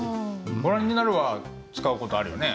「ご覧になる」は使う事あるよね。